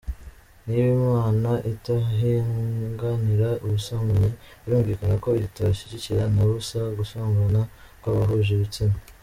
Niba Imana itihanganira ubusambanyi, birumvikana ko itashyigikira na busa gusambana kw’abahuje ibitsina !.